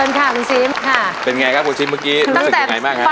ค่ะคุณซิมค่ะเป็นไงครับคุณซิมเมื่อกี้รู้สึกยังไงบ้างฮะ